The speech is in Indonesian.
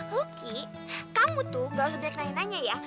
lucky kamu tuh gak usah banyak nanya nanya ya